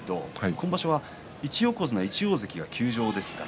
今場所は１横綱１大関が休場です。